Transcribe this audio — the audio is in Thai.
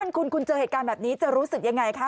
คุณคุณเจอเหตุการณ์แบบนี้จะรู้สึกยังไงคะ